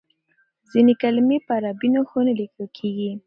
ځینې کلمې په عربي نښو نه لیکل کیږي.